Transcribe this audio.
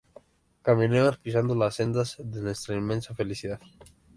Caminemos pisando las sendas de nuestra inmensa felicidad